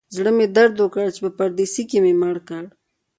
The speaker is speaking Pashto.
زړه یې درد وکړ چې په پردیسي کې مې مړ کړ.